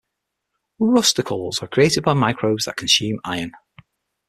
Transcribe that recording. Rusticles are created by microbes that consume iron.